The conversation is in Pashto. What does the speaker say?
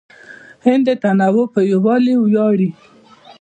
هند د تنوع په یووالي ویاړي.